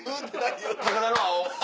高田の青。